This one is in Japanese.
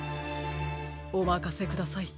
おまかせください。